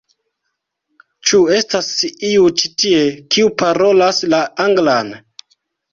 Ĉu estas iu ĉi tie, kiu parolas la anglan?